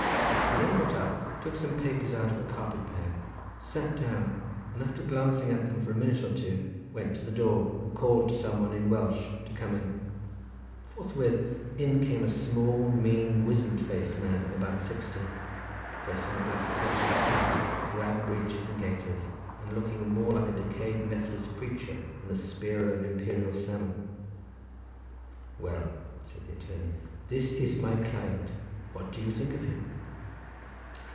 He then got up, took some papers out of a carpet bag, sat down, and after glancing at them for a minute or two, went to the door and called to somebody in Welsh to come in. Forthwith in came a small, mean, wizened faced man of about sixty, dressed in a black coat and hat, drab breeches and gaiters, and looking more like a decayed Methodist preacher than a spearer of imperial salmon. "Well," said the attorney, "this is my client; what do you think of him?"